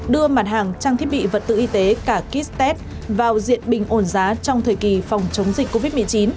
đưa mặt hàng trang thiết bị vật tư y tế cả kit test vào diện bình ổn giá trong thời kỳ phòng chống dịch covid một mươi chín